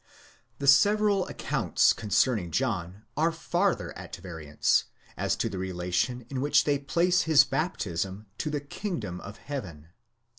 The several accounts concerning John are farther at variance, as to the relation in which they place his baptism to the Azngdom of heaven, βασιλεία τῶν οὐρανῶν.